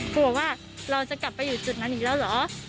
กลับมาอยู่จุดนั้นอีกแล้วเหรอ